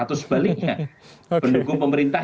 atau sebaliknya pendukung pemerintah